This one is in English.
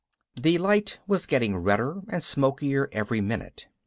The light was getting redder and smokier every minute.